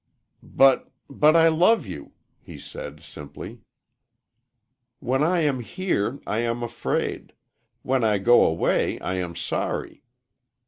"But but I love you," he said, simply. "When I am here I am afraid when I go away I am sorry."